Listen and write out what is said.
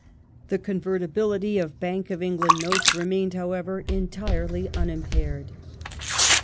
The convertibility of Bank of England notes riemained, however, entirely unimpaired.